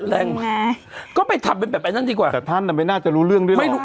แรงแรงก็ไปทำเป็นแบบแบบนั้นดีกว่าแต่ท่านอ่ะไม่น่าจะรู้เรื่องด้วยหรอก